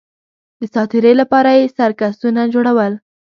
د ساتېرۍ لپاره یې سرکسونه جوړول